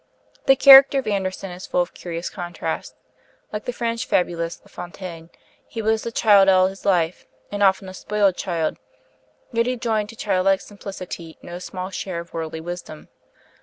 The character of Andersen is full of curious contrasts. Like the French fabulist, La Fontaine, he was a child all his life, and often a spoiled child; yet he joined to childlike simplicity no small share of worldly wisdom.